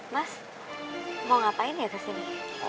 mas mau ngapain ya kesini